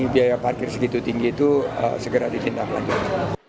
tapi biaya parkir segitu tinggi itu segera ditindak lanjut